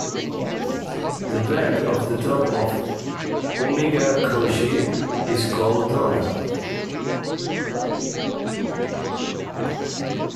The vent at the top of Omega Cauchy is called Donna.